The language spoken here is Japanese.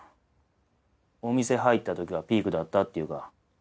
お店入った時がピークだったっていうか。